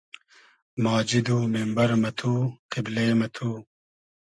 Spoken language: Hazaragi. ماجید و مېمبئر مہ تو , قیبلې مہ تو